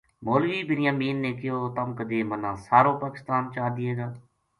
مولوی بنیامین نے کہیو تم کَدے مَنا سارو پاکستان چا دیئے گا